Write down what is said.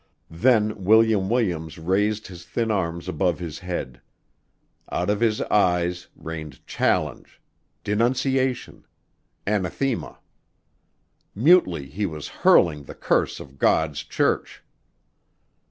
Then William Williams raised his thin arms above his head. Out of his eyes rained challenge, denunciation, anathema! Mutely he was hurling the curse of God's church.